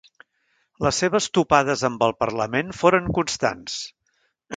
Les seves topades amb el parlament foren constants.